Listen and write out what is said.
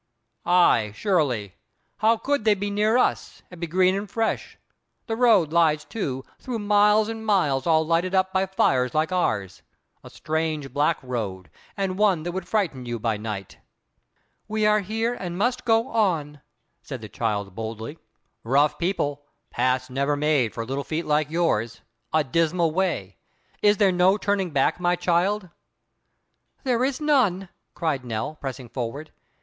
"Ay, surely. How could they be near us, and be green and fresh? The road lies, too, through miles and miles all lighted up by fires like ours—a strange, black road, and one that would frighten you by night." "We are here, and must go on," said the child boldly. "Rough people—paths never made for little feet like yours—a dismal way—is there no turning back, my child?" "There is none," cried Nell, pressing forward.